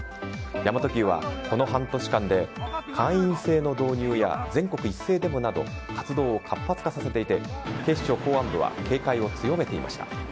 神真都Ｑはこの半年間で会員制の導入や全国一斉デモなど活動を活発化させていて警視庁公安部は警戒を強めていました。